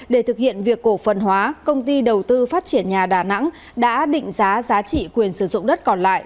để thực hiện việc cổ phần hóa công ty đầu tư phát triển nhà đà nẵng đã định giá giá trị quyền sử dụng đất còn lại